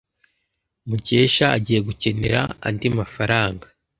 Mukesha agiye gukenera andi mafaranga.